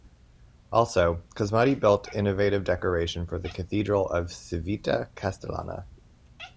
Also, Cosmati built innovative decoration for the Cathedral of Civita Castellana.